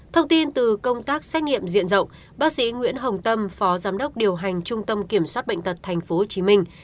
thông tin từ công tác xét nghiệm diện rộng bác sĩ nguyễn hồng tâm phó giám đốc điều hành trung tâm kiểm soát bệnh tật tp hcm